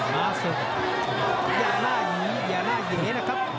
อยากหน้าเหยนะครับ